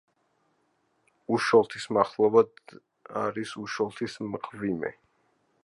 უშოლთის მახლობლად არის უშოლთის მღვიმე.